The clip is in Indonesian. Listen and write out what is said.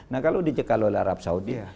nah kalau dicekal oleh arab saudi